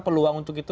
peluang untuk itu